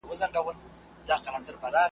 د رندانو له مستۍ به تیارې تښتي .